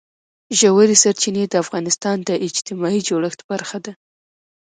ژورې سرچینې د افغانستان د اجتماعي جوړښت برخه ده.